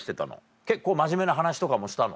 結構真面目な話とかもしたの？